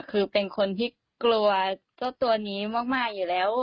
คือเป็นคนที่กลัวเจ้าตัวนี้มากอยู่แล้ว